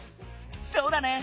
そうだね！